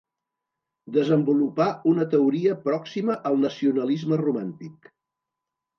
Desenvolupà una teoria pròxima al nacionalisme romàntic.